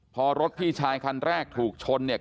พอรถพี่ชายคันแรกถูกชนเนี่ย